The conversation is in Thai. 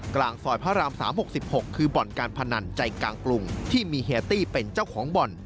กลางซอยพระราม๓๖๖คือบ่อนการพนันใจกลางกรุงที่มีเฮียตี้เป็นเจ้าของบ่อน